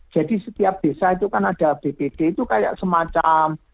jadi setiap desa itu kan ada bpd itu kayak semacam